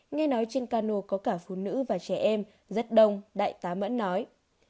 nghe nói trên ca nô có cả phụ nữ và trẻ em rất đông đại tá mẫn nói